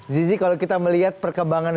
zizi kalau kita melihat perkembangan